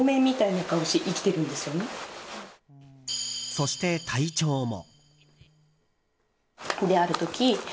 そして、体調も。